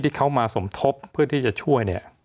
ที่เขามาสมทบเพื่อที่จะช่วยเนี่ย